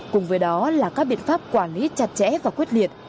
cùng với đó là các biện pháp quản lý chặt chẽ và quyết liệt